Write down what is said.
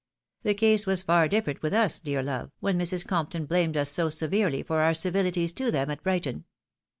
The case was far dif ferent with us, dear love, when Mrs. Compton blamed us so severely for our civilities to them at Brighton.